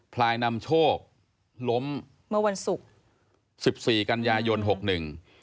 พลายนำโชคล้ม๑๔กันยายน๖นึง